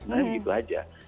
sebenarnya begitu aja